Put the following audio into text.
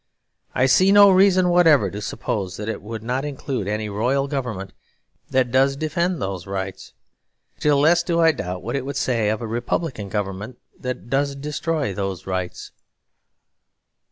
I see no reason whatever to suppose that it would not include any royal government that does defend those rights. Still less do I doubt what it would say of a republican government that does destroy those rights.